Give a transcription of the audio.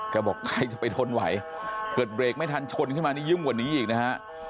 บอกใครจะไปทนไหวเกิดเบรกไม่ทันชนขึ้นมานี่ยิ่งกว่านี้อีกนะฮะ